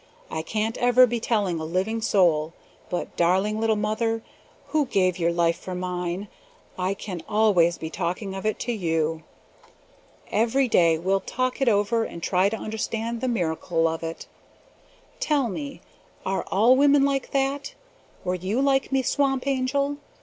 I can't ever be telling a living soul; but darling little mother, who gave your life for mine, I can always be talking of it to you! Every day we'll talk it over and try to understand the miracle of it. Tell me, are all women like that? Were you like me Swamp Angel?